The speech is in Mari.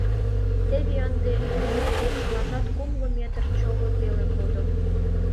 Теве ынде южо вере чылажат кумло метр чоло веле кодо.